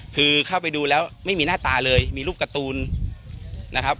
คือเข้าไปดูแล้วไม่มีหน้าตาเลยมีรูปการ์ตูนนะครับ